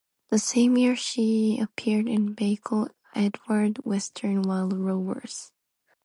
The same year she appeared in Blake Edwards' western "Wild Rovers".